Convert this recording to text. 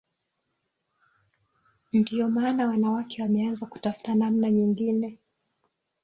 Ndio maana wanawake wameanza kutafuta namna nyingine